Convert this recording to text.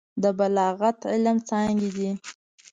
د بلاغت علم څانګې دي.